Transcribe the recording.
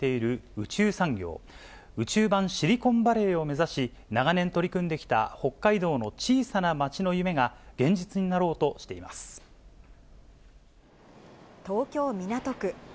宇宙版シリコンバレーを目指し、長年取り組んできた北海道の小さな町の夢が、現実になろうとして東京・港区。